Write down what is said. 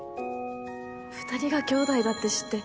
二人が兄弟だって知って